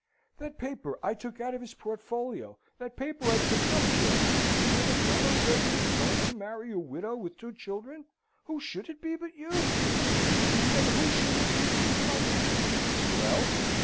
"That paper I took out of his portfolio, that paper I picked up, children; where the Colonel says he is going to marry a widow with two children. Who should it be but you, children, and who should it be but your mother?" "Well?"